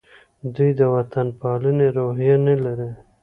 دوی د وطن پالنې روحیه نه لري.